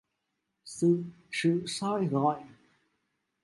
sự soi rọi